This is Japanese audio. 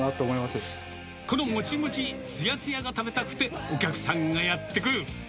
このもちもち、つやつやが食べたくて、お客さんがやって来る。